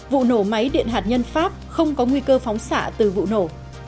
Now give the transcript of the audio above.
vụ nổ máy điện hạt nhân pháp không có nguy cơ phóng xạ từ vụ nổ